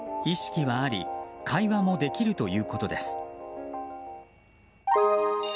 意識はあり会話もできるということです。